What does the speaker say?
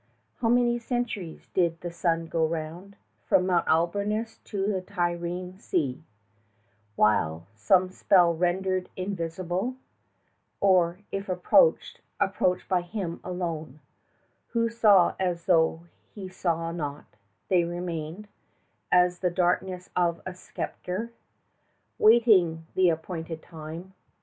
How many centuries did the sun go round 15 From Mount Alburnus to the Tyrrhene sea, While, by some spell rendered invisible, Or, if approached, approached by him alone Who saw as though he saw not, they remained As in the darkness of a sepulchre, 20 Waiting the appointed time!